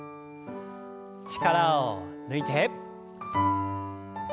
力を抜いて。